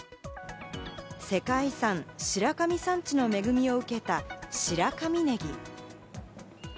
世界遺産・白神山地の恵みを受けた白神ねぎ。